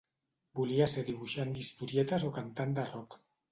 Volia ser dibuixant d'historietes o cantant de rock.